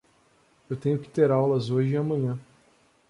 Eu tenho que ter aulas hoje e amanhã.